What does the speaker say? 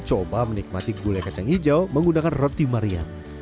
coba menikmati gulai kacang hijau menggunakan roti mariam